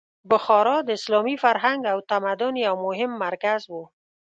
بخارا د اسلامي فرهنګ او تمدن یو مهم مرکز و.